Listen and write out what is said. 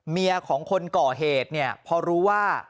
เมียของคนก่อเหตุเนี่ยพอรู้ว่า